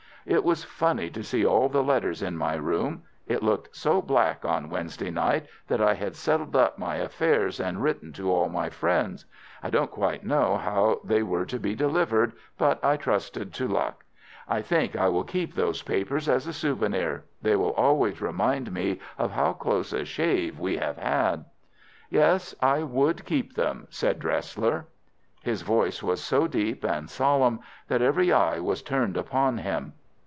It was funny to see all the letters in my room. It looked so black on Wednesday night that I had settled up my affairs and written to all my friends. I don't quite know how they were to be delivered, but I trusted to luck. I think I will keep those papers as a souvenir. They will always remind me of how close a shave we have had." "Yes, I would keep them," said Dresler. His voice was so deep and solemn that every eye was turned upon him.